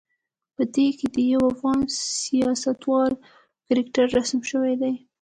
په دې کې د یوه افغان سیاستوال کرکتر رسم شوی دی.